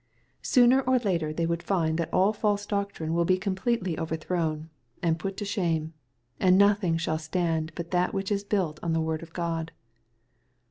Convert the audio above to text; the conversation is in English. — Sooner or later they would find that all false doctrine wiQ be completely overthrown, and put to shame, and nothing shaU stand but that which is built on the word of God.